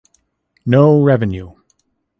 No revenue.